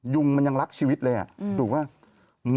ยุงมันยังรักชีวิตเลยอ่ะถูกไหม